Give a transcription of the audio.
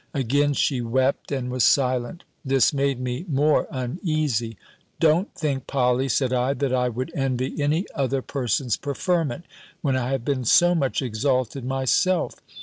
Again she wept, and was silent. This made me more uneasy. "Don't think, Polly," said I, "that I would envy any other person's preferment, when I have been so much exalted myself.